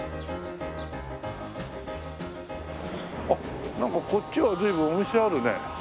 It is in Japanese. あっなんかこっちは随分お店あるね。